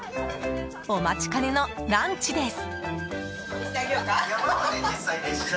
お待ちかねのランチです。